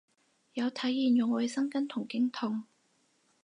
有體驗用衛生巾同經痛